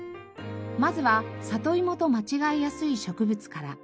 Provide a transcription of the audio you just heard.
まずはサトイモと間違えやすい植物から。